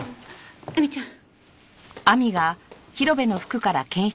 亜美ちゃん。